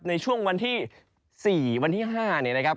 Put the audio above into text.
ในช่วงวันที่๔วันที่๕เนี่ยนะครับ